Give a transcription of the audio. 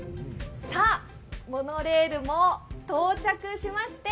さあ、モノレールも到着しまして